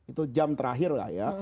itu jam terakhir lah ya